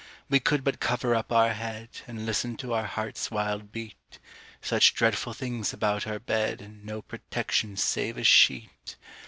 We could but cover up our head, And listen to our heart's wild beat Such dreadful things about our bed, And no protection save a sheet!